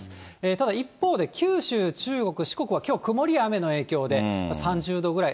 ただ一方で、九州、中国、四国はきょう、曇り、雨の影響で、３０度ぐらい。